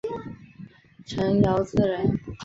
陈尧咨人。